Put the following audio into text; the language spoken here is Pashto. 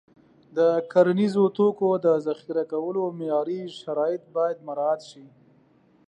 د کرنیزو توکو د ذخیره کولو معیاري شرایط باید مراعت شي.